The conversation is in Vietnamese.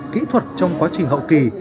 kỹ thuật trong quá trình hậu kỳ